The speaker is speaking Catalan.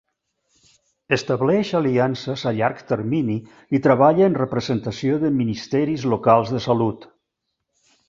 Estableix aliances a llarg termini i treballa en representació de ministeris locals de salut.